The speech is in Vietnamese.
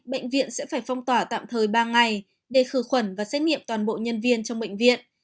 bệnh viện sẽ phải phong tỏa tạm thời ba ngày để khử khuẩn và xét nghiệm toàn bộ nhân viên trong bệnh viện